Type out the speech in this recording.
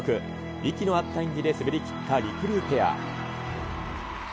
息の合った演技で滑りきったりくりゅうペア。